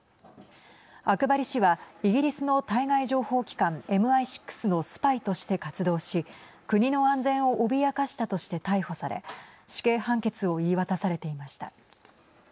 アクバリ氏はイギリスの対外情報機関ＭＩ６のスパイとして活動し国の安全を脅かしたとして逮捕され死刑判決を言い渡されていました。